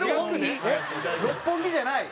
えっ六本木じゃない？